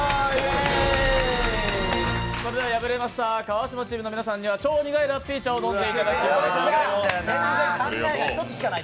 破れました川島チームの皆さんには超苦いラッピー茶を飲んでいただきます。